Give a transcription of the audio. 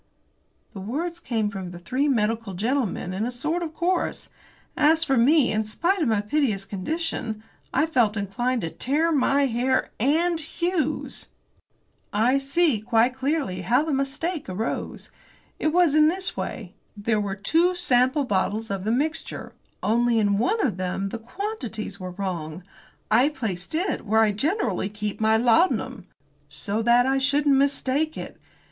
'" The words came from the three medical gentlemen in a sort of chorus. As for me, in spite of my piteous condition, I felt inclined to tear my hair and Hughes's! "I see, quite clearly, how the mistake arose. It was in this way. There were two sample bottles of the mixture, only in one of them the quantities were wrong. I placed it where I generally keep my laudanum so that I shouldn't mistake it.